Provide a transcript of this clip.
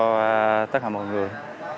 cho tất cả mọi người